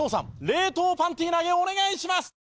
冷凍パンティ投げお願いします！